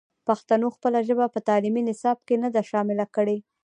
پښتنو خپله ژبه په تعلیمي نصاب کې نه ده شامل کړې.